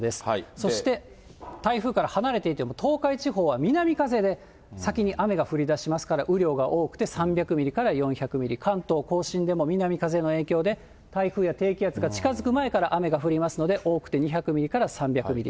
そして、台風から離れていても、東海地方は南風で先に雨が降りだしますから、雨量が多くて３００ミリから４００ミリ、関東甲信でも南風の影響で、台風や低気圧が近づく前から雨が降りますので、多くて２００ミリから３００ミリ。